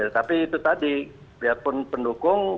tapi itu tadi biarpun pendukung